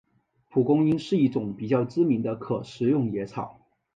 蒲公英是一种比较知名的可食用野草。